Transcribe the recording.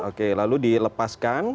oke lalu dilepaskan